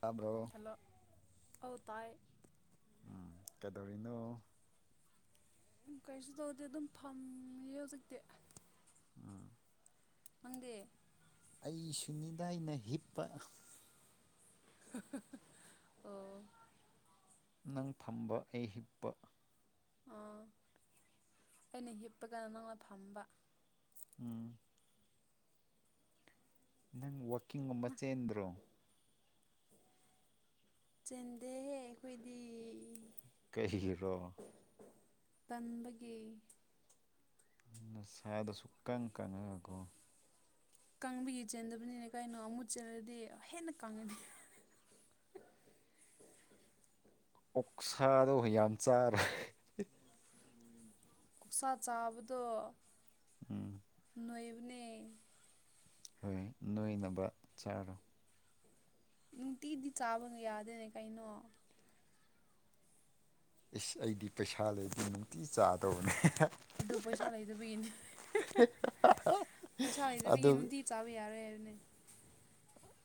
ꯇꯥꯕ꯭ꯔꯣ ꯍꯜꯂꯣ ꯑꯧ ꯇꯥꯏ ꯎꯝ ꯀꯗꯧꯔꯤꯅꯣ ꯍꯨꯝ ꯀꯩꯔꯤꯁꯨ ꯇꯧꯗꯦ ꯑꯗꯨꯝ ꯐꯝꯃꯤꯌꯦ ꯍꯧꯖꯤꯛꯇꯤ ꯎꯝ ꯅꯪꯗꯤ ꯑꯩꯁꯨꯅꯤꯗꯥꯏꯅ ꯍꯤꯞꯄ [unintelligible] ꯑꯣ ꯅꯪ ꯐꯝꯕ ꯑꯩ ꯍꯤꯞꯄ ꯑꯥ ꯑꯩꯅ ꯍꯤꯞꯄꯒꯅ ꯅꯪꯅ ꯐꯝꯕ ꯎꯝ ꯅꯪ ꯋꯥꯀꯤꯡꯒꯨꯝꯕ ꯆꯦꯟꯗ꯭ꯔꯣ ꯆꯦꯟꯗꯦꯍꯦ ꯑꯩꯈꯣꯏꯗꯤ ꯀꯔꯤꯒꯤꯔꯣ ꯇꯟꯕꯒꯤ ꯁꯥꯏꯗ ꯁꯨꯀꯥꯟ ꯀꯥꯅꯔꯣꯏꯀꯣ ꯀꯪꯕꯒꯤ ꯆꯦꯟꯗꯕꯅꯤꯅꯦ ꯀꯩꯅꯣ ꯑꯃꯨꯠ ꯆꯦꯜꯂꯗꯤ ꯍꯦꯟꯅ ꯀꯪꯉꯅꯤ ꯑꯣꯛꯁꯥꯗꯣ ꯌꯥꯝ ꯆꯥꯔꯦ ꯑꯣꯛꯁꯥ ꯆꯥꯕꯗꯣ ꯎꯝ ꯅꯣꯏꯕꯅꯦ ꯍꯣꯏ ꯅꯣꯏꯅꯕ ꯆꯥꯔꯣ ꯅꯨꯡꯇꯤꯗꯤ ꯆꯥꯕ ꯌꯥꯗꯦꯅꯦ ꯀꯩꯅꯣ ꯏꯁ ꯑꯩꯗꯤ ꯄꯩꯁꯥ ꯂꯩꯗꯤ ꯅꯨꯡꯇꯤ ꯆꯥꯗꯧꯕꯅꯦ ꯑꯗꯨ ꯄꯩꯁꯥ ꯂꯩꯇꯕꯒꯤꯅꯦ ꯄꯩꯁꯥ ꯑꯗꯨ ꯂꯩꯇꯕꯒꯤ ꯅꯨꯡꯇꯤ ꯆꯥꯕ ꯌꯥꯔꯣꯏ ꯍꯥꯏꯕꯅꯦ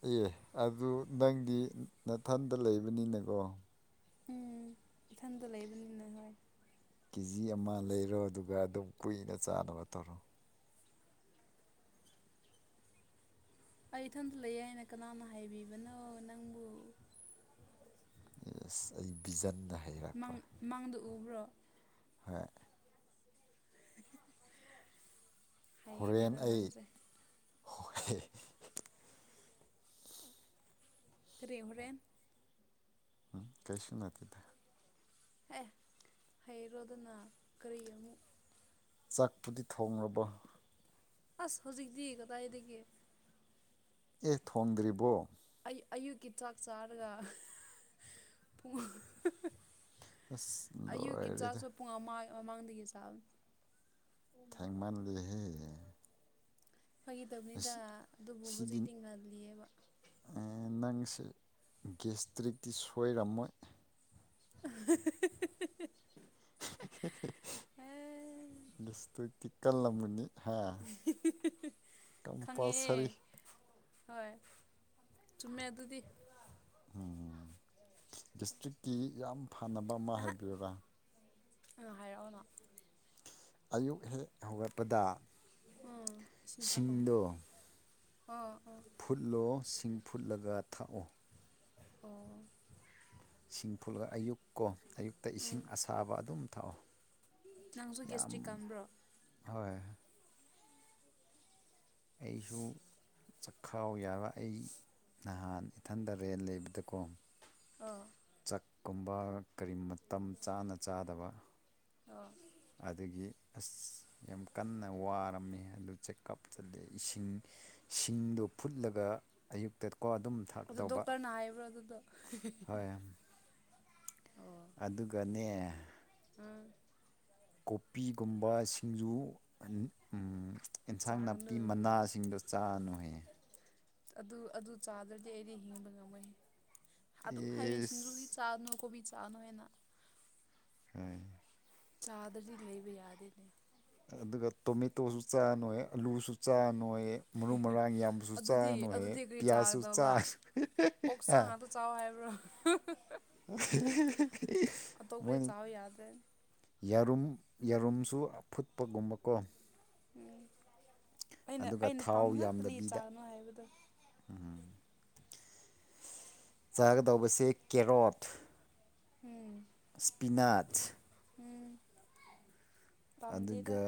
ꯑꯦ ꯑꯗꯨ ꯅꯪꯗꯤ ꯅꯊꯟꯗ ꯂꯩꯕꯅꯤꯅꯀꯣ ꯎꯝ ꯏꯊꯟꯗ ꯂꯩꯕꯅꯤꯅ ꯍꯣꯏ ꯀꯦ ꯖꯤ ꯑꯃ ꯂꯩꯔꯣ ꯑꯗꯨꯒ ꯑꯗꯨꯝ ꯀꯨꯏꯅ ꯆꯥꯅꯕ ꯇꯧꯔꯣ ꯑꯩ ꯏꯊꯟꯇ ꯂꯩꯌꯦ ꯍꯥꯏꯅ ꯀꯅꯥꯅ ꯍꯥꯏꯕꯤꯕꯅꯣ ꯅꯪꯕꯨ ꯌꯦꯁ ꯑꯩ ꯕꯤꯖꯟꯅ ꯍꯥꯏꯕ ꯃꯪ ꯃꯪꯗ ꯎꯕ꯭ꯔꯣ ꯍꯣꯏ ꯍꯣꯔꯦꯟ ꯍꯩꯔꯦꯗ ꯑꯩ ꯅꯪꯁꯦ ꯍꯣꯏ ꯀꯔꯤ ꯍꯣꯔꯦꯟ ꯎꯝ ꯀꯩꯁꯨ ꯅꯠꯇꯦꯗ ꯑꯦ ꯍꯩꯔꯣꯗꯅ ꯀꯔꯤ ꯑꯃꯨꯛ ꯆꯥꯛꯄꯨꯗꯤ ꯊꯣꯡꯉꯕ ꯑꯁ ꯍꯧꯖꯤꯛꯇꯤ ꯀꯗꯥꯏꯗꯒꯤ ꯑꯦ ꯊꯣꯡꯗ꯭ꯔꯤꯕꯣ ꯑꯩ ꯑꯌꯨꯛꯀꯤ ꯆꯥꯛ ꯆꯥꯔꯒ ꯄꯨꯡ ꯑꯁ ꯑꯌꯨꯛꯀꯤ ꯂꯣꯏꯔꯦꯗ ꯆꯥꯛꯁꯨ ꯄꯨꯡ ꯑꯃ ꯃꯃꯥꯡꯗꯒꯤ ꯆꯥꯕꯅꯤ ꯊꯦꯡꯃꯟꯂꯦꯍꯦ ꯐꯥꯒꯤ ꯇꯧꯕꯅꯤꯗ ꯑꯗꯨꯕꯨ ꯁꯤꯗꯤ ꯍꯧꯖꯤꯛꯗꯤ ꯉꯜꯂꯤꯌꯦꯕ ꯑꯦ ꯅꯪꯁꯦ ꯒꯦꯁꯇ꯭ꯔꯤꯛꯇꯤ ꯁꯣꯏꯔꯝꯃꯣꯏ [inaudible] ꯑꯦ ꯒꯦꯁꯇ꯭ꯔꯤꯛꯇꯤ ꯀꯜꯔꯝꯒꯅꯤ ꯈꯪꯉꯦꯌꯦ ꯀꯝꯄꯜꯁꯔꯤ ꯍꯣꯏ ꯆꯨꯝꯃꯦ ꯑꯗꯨꯗꯤ ꯎꯝ ꯒꯦꯁꯇ꯭ꯔꯤꯛꯀꯤ ꯌꯥꯝ ꯐꯥꯅꯕ ꯑꯃ ꯍꯥꯏꯕꯤꯌꯨꯔꯥ ꯑꯗꯨ ꯍꯥꯏꯔꯛꯑꯣꯅꯣ ꯑꯌꯨꯛ ꯍꯦꯛ ꯍꯧꯒꯠꯄꯗ ꯑꯥ ꯏꯁꯤꯡ ꯊꯥꯛꯑꯣ ꯁꯤꯡꯗꯣ ꯑꯣ ꯑꯣ ꯐꯨꯠꯂꯣ ꯁꯤꯡ ꯐꯨꯠꯂꯒ ꯊꯥꯛꯑꯣ ꯑꯣ ꯏꯁꯤꯡ ꯐꯨꯠꯂ ꯑꯌꯨꯛ ꯀꯣ ꯑꯌꯨꯛꯇ ꯏꯁꯤꯡ ꯎꯝ ꯑꯁꯥꯕ ꯑꯗꯨꯝ ꯊꯛꯑꯣ ꯅꯪꯁꯨ ꯌꯥꯝ ꯒꯦꯁꯇ꯭ꯔꯤꯛ ꯀꯟꯕ꯭ꯔꯣ ꯍꯣꯏ ꯑꯩꯁꯨ ꯆꯥꯛꯈꯥꯎ ꯌꯥꯕ ꯑꯩ ꯅꯍꯥꯟ ꯏꯊꯟꯇ ꯔꯦꯟ ꯂꯩꯕꯗꯀꯣ ꯑꯥ ꯆꯛꯀꯨꯝꯕ ꯀꯔꯤ ꯃꯇꯝ ꯆꯥꯅ ꯆꯥꯗꯕ ꯑꯣ ꯑꯗꯒꯤ ꯑꯁ ꯌꯥꯝ ꯀꯟꯅ ꯋꯥꯔꯝꯃꯦ ꯑꯗꯨ ꯆꯦꯛꯀꯞ ꯆꯠꯂꯦ ꯏꯁꯤꯡ ꯁꯤꯡꯗꯨ ꯐꯨꯠꯂꯒ ꯑꯌꯨꯛꯇ ꯀꯣ ꯑꯗꯨꯝ ꯑꯗꯨ ꯊꯛꯇꯧꯕ ꯗꯣꯛꯇꯔꯅ ꯍꯥꯏꯕ꯭ꯔꯥ ꯑꯗꯨꯗꯣ ꯍꯣꯏ ꯑꯣ ꯑꯗꯨꯒꯅꯦ ꯎꯝ ꯀꯣꯄꯤꯒꯨꯝꯕ ꯁꯤꯡꯖꯨ ꯎꯝ ꯎꯝ ꯑꯦꯟꯁꯥꯡ ꯆꯥꯒꯅꯨ ꯅꯥꯄꯤ ꯃꯅꯥꯁꯤꯡꯗꯣ ꯆꯥꯅꯨ ꯍꯌꯦ ꯑꯗꯨ ꯑꯗꯨ ꯆꯥꯗ꯭ꯔꯗꯤ ꯑꯩꯗꯤ ꯍꯤꯡꯕ ꯉꯝꯃꯣꯏꯍꯦ ꯑꯗꯨꯝ ꯍꯥꯏꯔ ꯁꯤꯡꯖꯨꯒꯤ ꯏꯁ ꯆꯥꯅꯨ ꯀꯣꯕꯤ ꯆꯥꯅꯣ ꯍꯥꯏꯅ ꯎꯝ ꯆꯥꯗꯔꯗꯤ ꯂꯩꯕ ꯌꯥꯗꯦꯅꯦ ꯑꯗꯨꯒ ꯇꯣꯃꯦꯇꯣꯁꯨ ꯆꯥꯅꯣꯌꯦ ꯑꯂꯨꯁꯨ ꯆꯥꯅꯣꯌꯦ ꯃꯔꯨ ꯃꯔꯥꯡ ꯌꯥꯝꯁꯨ ꯑꯗꯨꯗꯤ ꯆꯥꯅꯨꯌꯦ ꯑꯗꯨꯗꯤ ꯀꯔꯤ ꯄꯤꯌꯥꯁꯁꯨ ꯆꯥ ꯆꯥꯒꯗꯕ ꯑꯣꯛꯁꯥ ꯑ ꯉꯥꯛꯇ ꯆꯥꯎ ꯍꯥꯏꯕ꯭ꯔꯣ ꯑꯇꯣꯞꯄꯗꯤ [unintelligible] ꯆꯥꯎ ꯌꯥꯗ꯭ꯔꯦ ꯌꯥꯔꯨꯝ ꯌꯥꯔꯨꯝꯁꯨ ꯑꯐꯨꯠꯄꯒꯨꯝꯕ ꯀꯣ ꯎꯝ ꯑꯩꯅ ꯑꯗꯨꯒ ꯑꯩꯅ ꯄꯥꯝꯕ ꯉꯥꯛꯇꯅꯦ ꯆꯥꯒꯅꯣ ꯍꯥꯏꯕꯗꯣ ꯎꯝ ꯆꯥꯒꯗꯧꯕꯁꯦ ꯀꯦꯔꯣꯠ ꯎꯝ ꯁ꯭ꯄꯤꯅꯥꯠꯁ ꯎꯝ ꯄꯥꯝꯗꯦꯗ ꯑꯗꯨꯒ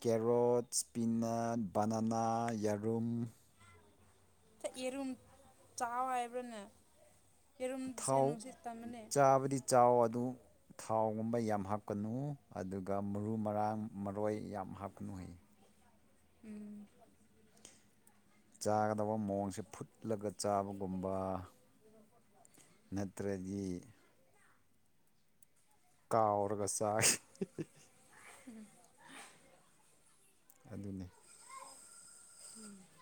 ꯀꯦꯔꯣꯠ ꯁ꯭ꯄꯤꯅꯠ ꯕꯅꯅꯥ ꯌꯦꯔꯨꯝ ꯌꯦꯔꯨꯝ ꯆꯥꯎ ꯍꯥꯏꯕ꯭ꯔꯅꯦ ꯌꯦꯔꯨꯝꯁꯦ ꯊꯥꯎ ꯅꯨꯡꯁꯤꯠ ꯇꯝꯃꯅꯦ ꯆꯥꯕꯗꯤ ꯆꯥꯎ ꯑꯗꯨ ꯊꯥꯎꯒꯨꯝꯕ ꯌꯥꯝ ꯍꯥꯞꯀꯅꯨ ꯑꯗꯨꯒ ꯃꯔꯨ ꯃꯔꯥꯡ ꯃꯔꯣꯏ ꯌꯥꯝ ꯍꯥꯞꯀꯅꯨꯌꯦ ꯎꯝ ꯆꯥꯒꯗꯕ ꯃꯑꯣꯡꯁꯦ ꯐꯨꯠꯂꯒ ꯆꯥꯕꯒꯨꯝꯕ ꯅꯠ [unintelligible] ꯀꯥꯎꯔꯒ ꯆꯥꯏ [unintelligible] ꯑꯗꯨꯅꯦ [inaudible]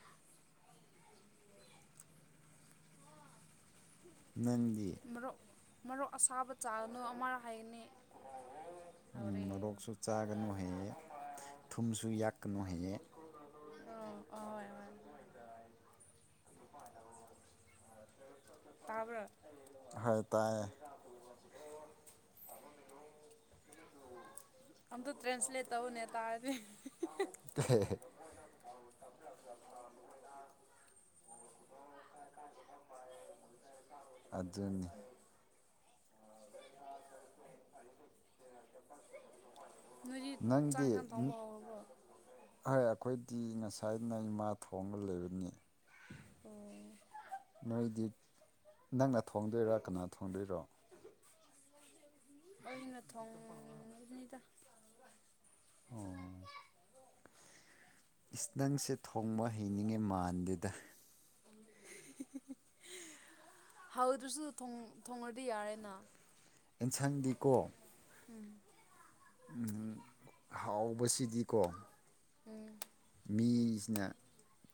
ꯅꯪꯗꯤ ꯃꯔꯣꯛ ꯃꯔꯣꯛ ꯑꯁꯥꯕ ꯆꯥꯅꯨ ꯑꯃ ꯍꯥꯏꯅꯤ ꯎꯝ ꯃꯣꯔꯣꯛꯁꯨ ꯆꯥꯒꯅꯨ ꯍꯥꯏꯌꯦ ꯊꯨꯝꯁꯨ ꯌꯥꯛꯀꯅꯨ ꯍꯥꯏꯌꯦ ꯑꯣ ꯍꯣꯏ ꯍꯣꯏ ꯇꯥꯕꯔ ꯍꯣꯏ ꯇꯥꯏꯌꯦ [unintelligible] ꯑꯝꯇ ꯇ꯭ꯔꯦꯟꯁꯂꯦꯇ ꯇꯧ ꯅꯦ ꯇꯥꯔꯗꯤ [unintelligible] ꯑꯗꯨꯅꯤ ꯅꯣꯏꯗꯤ ꯆꯥꯡ ꯅꯪꯗꯤ ꯢꯟꯁꯥꯡ ꯊꯣꯡꯕ ꯍꯧꯔꯕ꯭ꯔꯣ ꯍꯣꯏ ꯑꯩꯈꯣꯏꯗꯤ ꯉꯁꯥꯏꯅ ꯏꯃꯥ ꯊꯣꯡꯕ ꯂꯩꯕꯅꯤ ꯑꯣ ꯅꯣꯏꯗꯤ ꯅꯪꯅ ꯊꯣꯡꯗꯣꯏꯔꯣ ꯀꯅꯥ ꯊꯣꯡꯗꯣꯏꯔꯣ ꯑꯩꯅ ꯊꯣꯛꯅꯤꯗ ꯑꯣ ꯏꯁ ꯅꯪꯁꯦ ꯊꯣꯡꯕ ꯍꯩꯅꯤꯡꯉꯦ ꯃꯥꯟꯗꯦꯗ [unintelligible] ꯍꯥꯎꯗ꯭ꯔꯁꯨ ꯊꯣꯡꯉꯗꯤ ꯌꯥꯔꯦꯅ ꯑꯦꯟꯁꯥꯡꯗꯤꯀꯣ ꯎꯝ ꯎꯝ ꯍꯥꯎꯕꯁꯤꯗꯤꯀꯣ ꯎꯝ ꯃꯤꯁꯤꯅ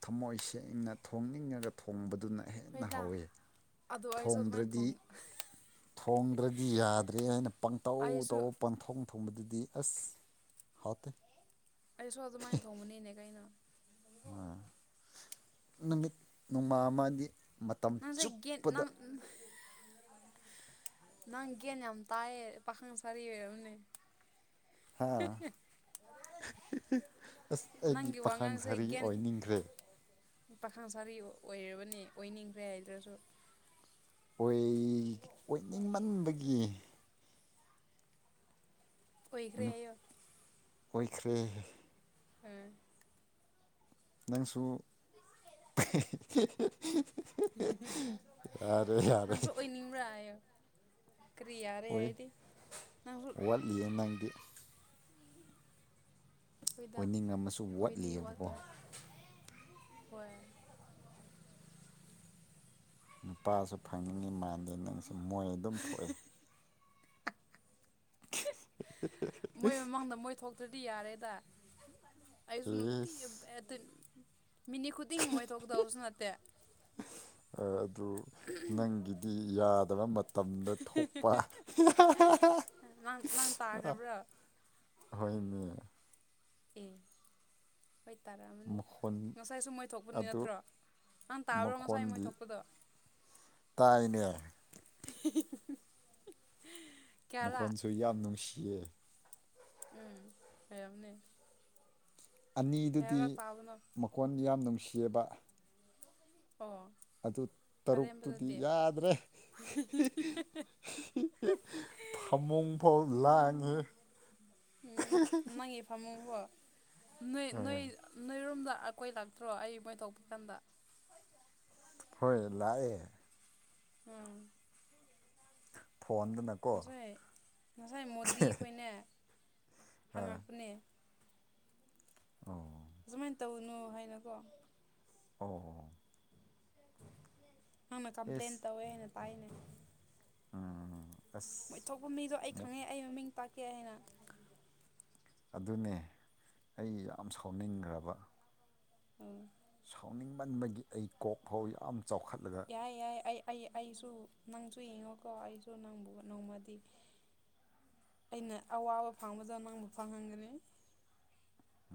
ꯊꯃꯣꯏ ꯁꯦꯡꯅ ꯊꯣꯡꯅꯤꯡꯉꯒ ꯊꯣꯡꯕꯗꯨꯅ ꯍꯦꯟꯅ ꯍꯣꯏꯗ ꯍꯥꯎꯋꯤ ꯑꯗꯣ ꯑꯩꯁꯨ ꯑꯗꯨꯃꯥꯏꯅ ꯊꯣꯡꯗ꯭ꯔꯗꯤ ꯊꯣꯡ ꯊꯣꯡꯗ꯭ꯔꯗꯤ ꯌꯥꯗ꯭ꯔꯦ ꯍꯥꯏꯅ ꯄꯪꯇꯧ ꯑꯩꯁꯨ ꯇꯧ ꯄꯪꯊꯣꯡ ꯊꯣꯡꯕꯗꯨꯗꯤ ꯑꯁ ꯍꯥꯎꯇꯦ ꯑꯩꯁꯨ ꯑꯗꯨꯃꯥꯏꯅ ꯊꯣꯡꯕꯅꯤꯅꯦ ꯀꯩꯅꯣ ꯅꯨꯃꯤꯠ ꯅꯣꯡꯃꯥ ꯑꯃꯗꯤꯃ ꯅꯪꯁꯦ ꯒꯦꯠ ꯅꯪ ꯅꯪ ꯒꯦꯟ ꯌꯥꯝ ꯇꯥꯏꯌꯦ ꯄꯥꯈꯪ ꯁꯥꯔꯤ ꯑꯣꯏꯔꯝꯃꯅꯤ ꯍꯥ ꯑꯁ ꯑꯩꯗꯤ ꯅꯪꯒꯤ ꯄꯥꯈꯪ ꯋꯥꯉꯥꯡꯁꯦ ꯁꯥꯔꯤ ꯒ꯭ꯌꯥꯟ ꯑꯣꯏꯅꯤꯡꯗꯔꯦ ꯄꯥꯈꯪ ꯁꯥꯥꯕꯤ ꯑꯣꯏꯔꯕꯅꯤ ꯑꯣꯏꯅꯤꯡꯗ꯭ꯔꯦ ꯍꯥꯏꯗ꯭ꯔꯁꯨ ꯑꯣꯏ ꯑꯣꯏꯅꯤꯡꯃꯟꯕꯒꯤ ꯑꯣꯏꯈ꯭ꯔꯦ ꯍꯥꯏꯑꯣ ꯑꯣꯏꯈ꯭ꯔꯦ ꯎꯝ ꯅꯪꯁꯨ ꯌꯥꯔꯦ ꯌꯥꯔꯦ ꯅꯪꯁꯨ ꯑꯣꯏꯅꯤꯡꯕ꯭ꯔꯥ ꯍꯥꯏꯑꯣ ꯀꯔꯤꯌꯥꯥꯔꯦ ꯑꯣꯏ ꯍꯥꯏꯗꯤ ꯅꯪꯁꯨ ꯋꯥꯠꯂꯤꯌꯦ ꯅꯪꯗꯤ ꯑꯩꯈꯣꯏꯗ ꯑꯣꯏꯅꯤꯡꯉꯝꯃꯁꯨ ꯑꯩꯈꯣꯏꯗꯤ ꯋꯥꯠꯂꯤꯑꯕꯀꯣ ꯋꯥꯠꯀꯦ ꯍꯣꯏ ꯅꯨꯄꯥꯁꯨ ꯐꯪꯅꯤꯡꯉꯤ ꯃꯥꯟꯂꯦ ꯅꯪꯁꯨ ꯃꯣꯏ ꯑꯗꯨꯝ ꯊꯣꯛꯏ ꯃꯣꯏ ꯃꯃꯥꯡꯗ ꯃꯣꯏ ꯊꯣꯛꯇ꯭ꯔꯗꯤ ꯌꯥꯔꯦꯗ ꯑꯩꯁꯨ ꯅꯨꯡꯇꯤ ꯏꯁ ꯑꯗꯨ ꯃꯤꯅꯤ ꯈꯨꯨꯗ ꯇꯤꯡ ꯃꯣꯏ ꯊꯣꯛꯀꯇꯕꯁꯨ ꯅꯠꯇꯦ ꯑꯗꯨ ꯅꯪꯒꯤꯗꯤ ꯌꯥꯗꯕ ꯃꯇꯝ ꯃꯇꯝꯗ ꯊꯣꯛꯄ ꯅꯪ ꯅꯪ ꯇꯥꯈ꯭ꯔꯕ꯭ꯔꯣ ꯍꯣꯏꯅꯦ ꯑꯦ ꯍꯣꯏ ꯇꯥꯔꯛꯑꯃꯅꯤ ꯃꯈꯣꯟ ꯉꯁꯥꯏꯁꯨ ꯃꯣꯏ ꯊꯣꯛꯄꯅꯤ ꯑꯗꯨ ꯅꯠꯇ꯭ꯔꯣ ꯅꯪ ꯇꯥꯕ꯭ꯔꯣ ꯉꯁꯥꯏ ꯃꯣꯏ ꯃꯈꯣꯟꯗꯤ ꯊꯣꯛꯄꯗꯣ ꯇꯥꯏꯅꯦ ꯍꯤ ꯍꯤ ꯍꯤ ꯃꯈꯣꯟꯁꯨ ꯌꯥꯝ ꯅꯨꯡꯁꯤꯌꯦ ꯎꯝ ꯐꯔꯥꯕꯥꯅꯦ ꯑꯅꯤꯗꯨꯗꯤ ꯇꯥꯕꯅꯣ ꯃꯈꯀꯣꯟ ꯌꯥꯝ ꯅꯨꯡꯁꯤꯌꯦꯕ ꯑꯣ ꯑꯗꯨ ꯇꯔꯨꯛꯇꯨꯗꯤ ꯑꯔꯦꯝꯕꯗꯗꯤ ꯌꯥꯗ꯭ꯔꯦ ꯐꯃꯨꯡꯐꯥꯎ ꯂꯥꯡꯉꯦ ꯎꯕ ꯃꯒꯤ ꯐꯃꯨꯡ ꯀꯣ ꯅꯣꯢ ꯅꯣꯢ ꯎꯝ ꯅꯣꯏꯔꯣꯝꯗ ꯑꯩꯈꯣꯏ ꯂꯥꯛꯇ꯭ꯔꯣ ꯑꯩ ꯃꯣꯏ ꯊꯣꯛꯣꯛꯄ ꯀꯥꯟꯗ ꯍꯣꯏ ꯂꯥꯛꯑꯦ ꯑ ꯐꯣꯟꯗꯨꯅꯠ ꯉꯁꯥꯏ ꯉꯁꯥꯏ ꯃꯣꯗꯤ ꯈꯣꯏꯅꯦ ꯍꯪꯉꯛꯄꯅꯦ ꯑꯧ ꯑꯁꯨꯃꯥꯢ ꯇꯧꯅꯨ ꯍꯥꯢꯅꯀꯣ ꯑꯣ ꯍꯣ ꯅꯪꯅ ꯀꯝꯄ꯭ꯂꯦꯟ ꯇꯧꯋꯦꯅ ꯇꯥꯢꯅꯦ ꯑꯥ.. ꯃꯣꯢ ꯊꯣꯛꯄ ꯃꯤꯗꯣ ꯑꯩ ꯈꯪꯉꯦ ꯑꯩ ꯃꯃꯤꯡ ꯇꯥꯛꯀꯦ ꯍꯥꯢꯅ ꯑꯗꯨꯅꯦ ꯑꯩ ꯌꯥꯝ ꯁꯥꯎꯅꯤꯡꯒ꯭ꯔꯕ ꯑꯣ ꯁꯥꯎꯅꯤꯡꯃꯟꯕꯒꯤ ꯑꯩ ꯀꯣꯛ ꯐꯥꯎ ꯌꯥꯝ ꯆꯥꯎꯈꯠꯂꯒ ꯑꯩ ꯌꯥꯢ ꯑꯩ ꯑꯩ ꯑꯩꯁꯨ ꯅꯪꯁꯨ ꯌꯦꯡꯉꯣꯀꯣ ꯑꯩꯁꯨ ꯅꯪꯕꯨ ꯅꯣꯡꯃꯗꯤ ꯑꯩꯅ ꯑꯋꯥꯕ ꯐꯪꯕꯗ ꯅꯪꯕꯨ ꯐꯪꯍꯟꯒꯅꯤ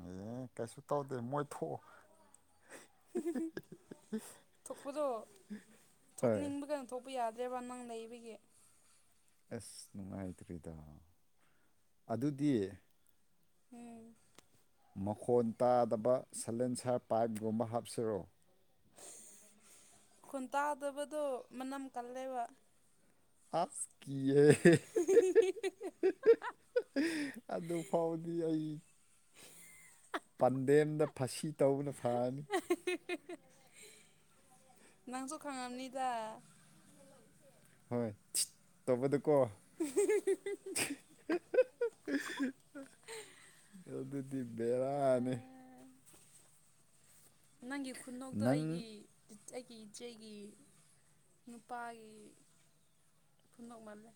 ꯑꯦ ꯀꯩꯁꯨ ꯇꯧꯗꯦ ꯃꯣꯢ ꯊꯣꯛꯎ ꯄꯗꯣ ꯊꯣꯛꯅꯤꯡꯕꯒ ꯊꯣꯛꯄ ꯌꯥꯗ꯭ꯔꯦꯕ꯭ꯔ ꯅꯪ ꯂꯩꯕꯒꯤ ꯑꯁ ꯅꯨꯡꯉꯥꯢꯇ꯭ꯔꯤꯗ ꯑꯗꯨꯗꯤ ꯎꯝ ꯃꯈꯣꯟ ꯇꯥꯗꯕ ꯁꯂꯦꯟꯁꯔ ꯄꯥꯢꯞꯒꯨꯝꯕ ꯍꯥꯞꯁꯤꯔꯣ ꯃꯈꯣꯟꯇꯥꯗꯕꯗꯣ ꯃꯅꯝ ꯀꯜꯂꯦꯕ ꯑꯁ ꯀꯤꯍꯦ ꯍꯤ ꯍꯤ ꯍꯤ ꯑꯗꯨ ꯐꯥꯎꯕꯗꯤ ꯑꯩ ꯄꯥꯟꯗꯦꯝꯗ ꯐꯁꯤ ꯇꯧꯕꯅ ꯐꯔꯅꯤ ꯑ ꯍ ꯍ ꯍ ꯍ ꯅꯪꯁꯨ ꯈꯪꯉꯝꯅꯤꯗ ꯍꯣꯢ ꯊꯤꯠ ꯇꯧꯕꯗꯣꯀꯣ ꯑꯍ ꯍ ꯍ ꯍ ꯍ ꯑꯗꯨꯗꯤ ꯕꯦꯔꯥꯅꯦ ꯅꯪꯒꯤ ꯈꯨꯅꯣꯛꯇꯣ ꯅꯪ ꯑꯩꯒꯤ ꯑꯩꯒꯤ ꯏꯆꯦꯒꯤ ꯅꯨꯄꯥꯒꯤ ꯈꯨꯅꯣꯛꯃꯜꯂꯦ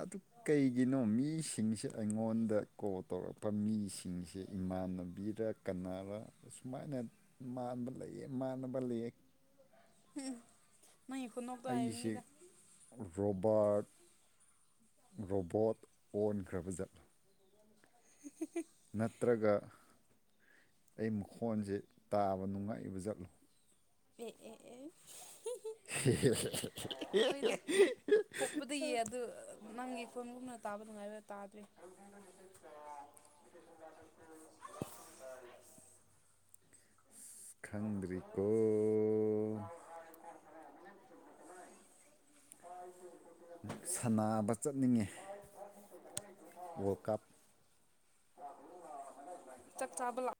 ꯑꯗꯨ ꯀꯩꯒꯤꯅꯣ ꯃꯤꯁꯤꯡꯁꯦ ꯑꯩꯉꯣꯟꯗ ꯀꯣꯜ ꯇꯧꯔꯛꯄ ꯃꯤꯁꯤꯡꯁꯦ ꯏꯃꯥꯟꯅꯕꯤꯔꯛ ꯀꯅꯥꯔ ꯑꯁꯨꯃꯥꯏꯅꯠ ꯃꯥꯟꯕ ꯂꯩꯌꯦ ꯃꯥꯟꯅꯕ ꯂꯩꯌꯦ ꯎꯝ ꯃꯥꯏ ꯈꯨꯅꯣꯛꯇꯣ ꯑꯩꯁꯦ ꯍꯥꯏꯕꯅꯤꯗ ꯔꯣꯕꯥꯔꯠ ꯔꯣꯕꯣꯠ ꯑꯣꯟꯈ꯭ꯔꯕ ꯖꯠ [unintelligible] ꯅꯠꯇ꯭ꯔꯒ ꯑꯩ ꯃꯈꯣꯟꯖꯦ ꯇꯥꯕ ꯅꯨꯡꯉꯥꯏꯕ ꯖꯠꯂꯨ ꯑꯦ ꯑꯦ ꯑꯦ ꯍꯤꯍꯤ [unintelligible] ꯄꯣꯛꯄꯗꯩ ꯌꯦ ꯑꯗꯨ ꯅꯪꯒꯤ ꯐꯝꯃꯨꯅ ꯇꯥꯕ ꯅꯨꯡꯉꯥꯏꯕ ꯇꯥꯗ꯭ꯔꯦ ꯈꯪꯗ꯭ꯔꯤꯀꯣ [inaudible] ꯁꯟꯅꯕꯥ ꯆꯠꯅꯤꯡꯉꯦ ꯋꯥꯀꯞ ꯆꯛꯆꯥꯕ ꯂꯥꯛ